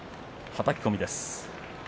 はたき込みです。